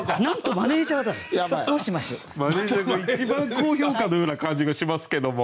マネージャーが一番高評価のような感じがしますけども。